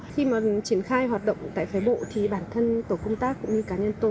khi mà triển khai hoạt động tại phái bộ thì bản thân tổ công tác cũng như cá nhân tôi